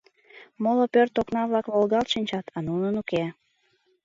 Моло пӧрт окна-влак волгалт шинчат, а нунын — уке.